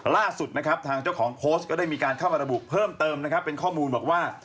ล่าสุดนะครับทางเจ้าของโพสต์ก็ได้มีการเข้ามาระบุเพิ่มเติมนะครับเป็นข้อมูลบอกว่า